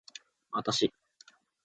あたし